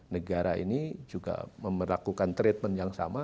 negara ini juga melakukan treatment yang sama